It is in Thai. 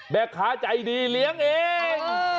แม่ค้าใจดีเลี้ยงเอง